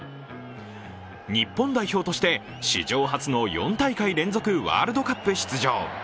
日本代表として史上初の４大会連続ワールドカップ出場。